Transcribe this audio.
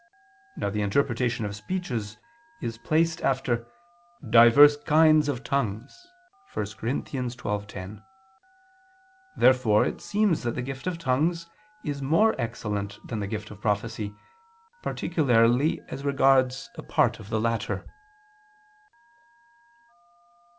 Now the interpretation of speeches is placed after "divers kinds of tongues" (1 Cor. 12:10). Therefore it seems that the gift of tongues is more excellent than the gift of prophecy, particularly as regards a part of the latter.